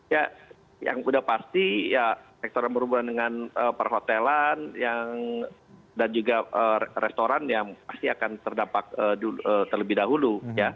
ya yang sudah pasti ya sektor yang berhubungan dengan perhotelan dan juga restoran yang pasti akan terdampak terlebih dahulu